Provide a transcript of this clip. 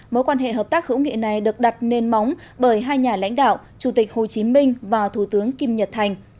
mối quan hệ hợp tác hữu nghị này được đặt nền móng bởi hai nhà lãnh đạo chủ tịch hồ chí minh và thủ tướng kim nhật thành